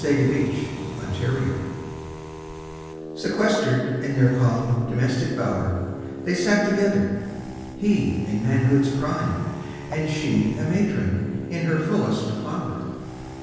DOMESTIC BLISS IV Sequestered in their calm domestic bower, They sat together. He in manhood's prime And she a matron in her fullest flower.